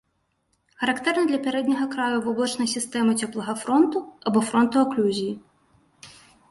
Характэрны для пярэдняга краю воблачнай сістэмы цёплага фронту або фронту аклюзіі.